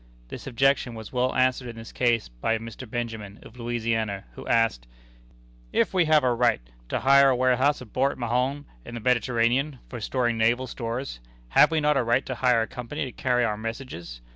This objection was well answered in this case by Mr. Benjamin, of Louisiana, who asked: "If we have a right to hire a warehouse at Port Mahon, in the Mediterranean, for storing naval stores, have we not a right to hire a company to carry our messages?